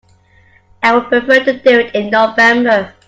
I would prefer to do it in November.